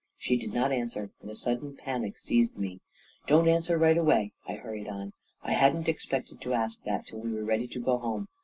She did not answer, and a sudden panic seized me. 44 Don't ans, wer right away," I hurried on. 44 1 170 A KING IN BABYLON hadn't expected to ask that till we were ready to go home.